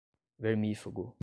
vermífugo